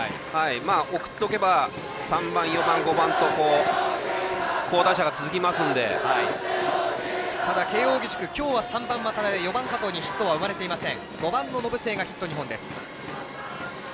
送っておけば３番、４番、５番と好打者が続きますのでただ、慶応義塾３番、渡邉、４番、加藤にヒットは生まれていません。